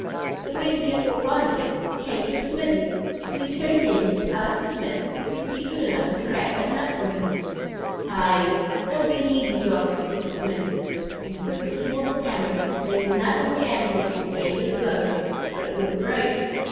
So when he had walked on a bit, he came to a smithy, and he turned in and asked the smith if he'd be good enough to crack that nut for him. "Ay, that'll be an easy job," said the smith, and took his smallest hammer, laid the nut on the anvil, and gave it a blow, but it wouldn't break.